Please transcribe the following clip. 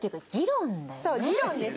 そう議論です。